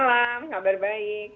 selamat malam kabar baik